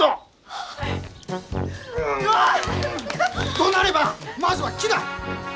どなればまずは木だ！